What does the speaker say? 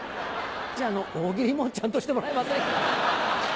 じゃあ大喜利もちゃんとしてもらえませんか？